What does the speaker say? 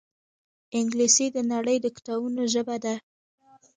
انګلیسي د نړۍ د کتابونو ژبه ده